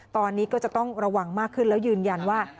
ตอนนี้ก็จะต้องระวังมากขึ้นแล้วยืนยันว่า